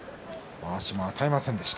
まわしも与えませんでした。